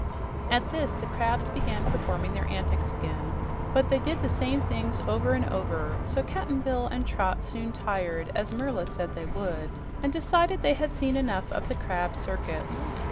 At this the crabs began performing their antics again, but they did the same things over and over, so Cap'n Bill and Trot soon tired, as Merla said they would, and decided they had seen enough of the crab circus.